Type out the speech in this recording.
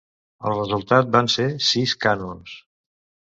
El resultat van ser sis cànons.